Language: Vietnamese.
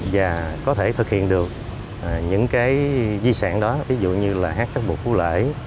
và có thể thực hiện được những di sản đó ví dụ như là hát sát buộc phụ lễ